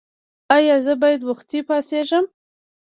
ایا زه باید وختي پاڅیږم؟